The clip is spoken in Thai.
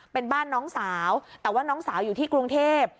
เป็นบ้านน้องสาวแต่ว่าน้องสาวอยู่ที่กรุงเทพ